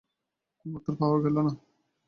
কোনোই উত্তর পাওয়া গেল না।